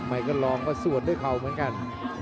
ใหม่ก็ลองประสูจน์ด้วยเขาเหมือนกัน